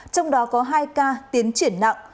trong đó có hai ca tiến triển nặng